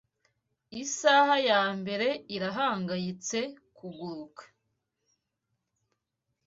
Isaha ya mbere irahangayitse kuguruka